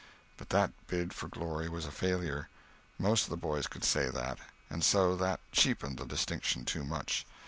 But that bid for glory was a failure. Most of the boys could say that, and so that cheapened the distinction too much.